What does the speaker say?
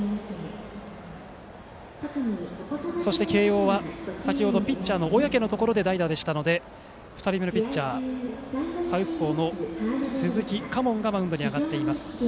そして慶応は先程ピッチャーの小宅のところで代打でしたので２人目のピッチャーサウスポーの鈴木佳門がマウンドに上がっています。